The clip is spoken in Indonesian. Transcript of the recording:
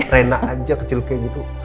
rena aja kecil kayak gitu